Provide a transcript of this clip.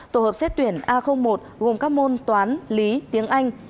tổ hợp xét tuyển a một gồm các môn toán lý tiếng anh